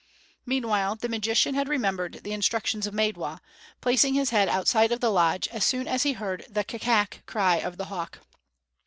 Meanwhile the magician had remembered the instructions of Maidwa, placing his head outside of the lodge as soon as he heard the ka kak cry of the hawk.